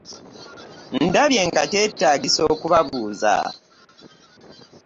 Ndabye nga kyetaagisa okubabuuza.